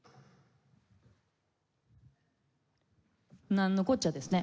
なんのこっちゃ？ですね。